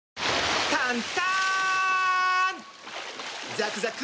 ザクザク！